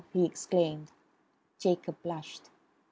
he exclaimed. Jacob blushed.